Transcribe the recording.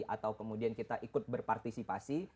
atau kemudian kita ikut berpartisipasi